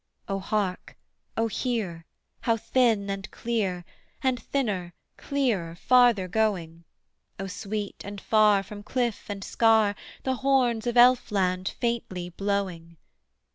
O hark, O hear! how thin and clear, And thinner, clearer, farther going! O sweet and far from cliff and scar The horns of Elfland faintly blowing!